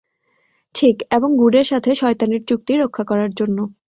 ঠিক, এবং গুডের সাথে শয়তানের চুক্তি রক্ষা করার জন্য।